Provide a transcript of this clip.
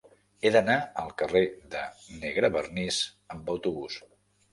He d'anar al carrer de Negrevernís amb autobús.